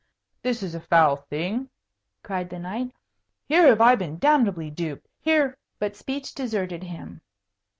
"This is a foul thing!" cried the knight. "Here have I been damnably duped. Here " but speech deserted him.